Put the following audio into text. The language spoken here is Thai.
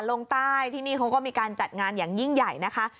ลงใต้ที่นี่เขาก็มีการจัดงานอย่างยิ่งใหญ่นะคะ